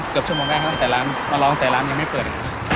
เกือบชั่วโมงแรกตั้งแต่ร้านมารอตั้งแต่ร้านยังไม่เปิด